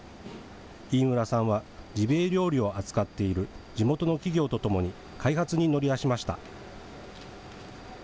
飯村さんは、ジビエ料理を扱っている地元の企業とともに開発に乗り出しました。